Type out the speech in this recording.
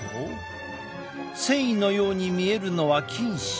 繊維のように見えるのは菌糸。